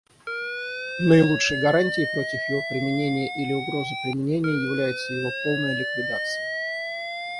Наилучшей гарантией против его применения или угрозы применения является его полная ликвидация.